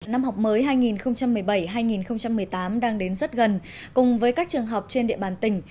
năm học mới hai nghìn một mươi bảy hai nghìn một mươi tám đang đến rất gần cùng với các trường học trên địa bàn tỉnh